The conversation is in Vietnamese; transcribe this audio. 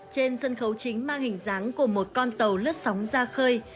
trên sân khấu chính mang hình dáng của một con tàu lướt sóng ra khơi